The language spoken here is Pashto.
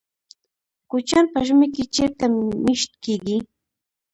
کوچیان په ژمي کې چیرته میشت کیږي؟